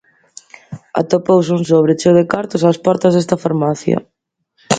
Atopouse un sobre cheo de cartos ás portas desta farmacia.